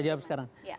saya jawab sekarang